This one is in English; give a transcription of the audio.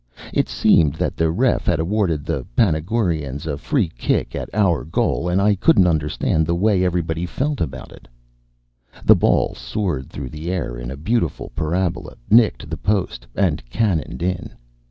It seemed that the ref 74 had awarded the Panagurans a free kick at our goal, and I could understand the way everybody felt about it. The ball soared through the air in a beautiful parabola, nicked the post — and cannoned in.